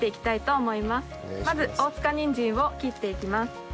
まず大塚にんじんを切っていきます。